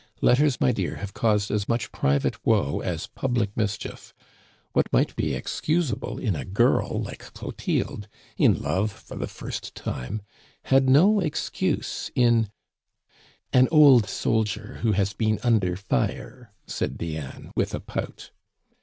Letters, my dear, have caused as much private woe as public mischief. What might be excusable in a girl like Clotilde, in love for the first time, had no excuse in " "An old soldier who has been under fire," said Diane with a pout.